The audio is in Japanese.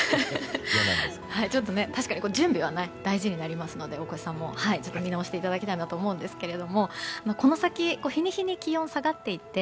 確かに準備は大切ですので大越さんも見直していただきたいなと思うんですけどこの先、日に日に気温が下がっていって、